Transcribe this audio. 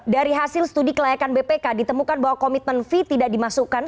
dari hasil studi kelayakan bpk ditemukan bahwa komitmen fee tidak dimasukkan